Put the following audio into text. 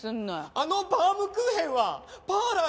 あのバウムクーヘンはパーラー